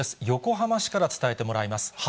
横浜市から伝えてもらいます。